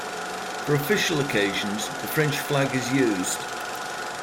For official occasions, the French flag is used.